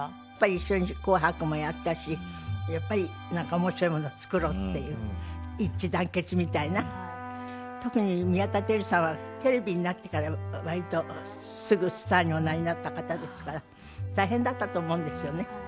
一緒に「紅白」もやったしやっぱり何か面白いもの作ろうっていう一致団結みたいな時に宮田輝さんはテレビになってから割とすぐスターにおなりになった方ですから大変だったと思うんですよね。